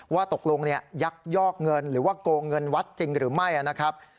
ว่าตกลงยักยอกเงินหรือว่าโกงเงินวัดจริงหรือไม่นะครับ